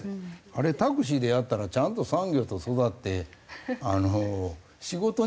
あれタクシーでやったらちゃんと産業として育って仕事になるのにね。